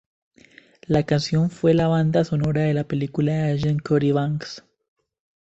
La canción fue la banda sonora de la película Agent Cody Banks.